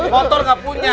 motor gak punya